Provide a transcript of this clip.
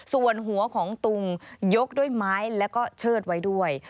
ส่วนหัวของตุงยกด้วยไม้แล้วก็เชิดไว้ด้วย